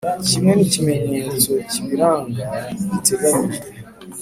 kimwe n'ikimenyetso kibiranga giteganyijwe